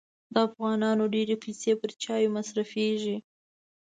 د افغانانو ډېري پیسې پر چایو مصرفېږي.